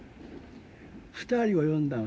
２人を呼んだん